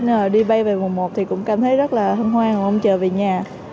nên là đi bay về mùng một thì cũng cảm thấy rất là hân hoan không chờ về nhà